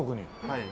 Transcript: はい。